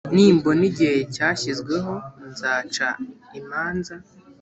nimbona igihe cyashyizweho nzaca imanza